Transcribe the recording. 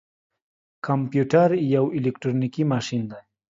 کمپيوټر يو اليکترونيکي ماشين دی.